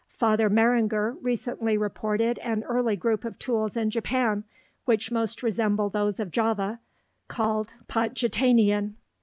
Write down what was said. Father Maringer recently reported an early group of tools in Japan, which most resemble those of Java, called Patjitanian.